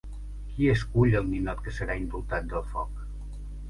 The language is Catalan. Qui escull el ninot que serà indultat del foc?